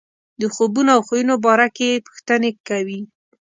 د خوبونو او خویونو باره کې یې پوښتنې کوي.